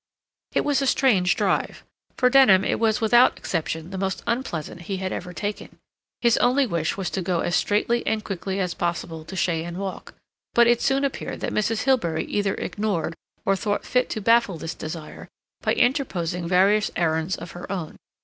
It was a strange drive. For Denham it was without exception the most unpleasant he had ever taken. His only wish was to go as straightly and quickly as possible to Cheyne Walk; but it soon appeared that Mrs. Hilbery either ignored or thought fit to baffle this desire by interposing various errands of her own.